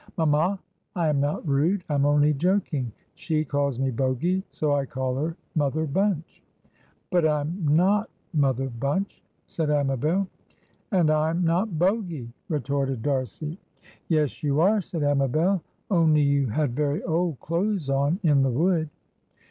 "Mamma, I am not rude. I am only joking. She calls me Bogy, so I call her Mother Bunch." "But I'm not Mother Bunch," said Amabel. "And I'm not Bogy," retorted D'Arcy. "Yes, you are," said Amabel. "Only you had very old clothes on in the wood."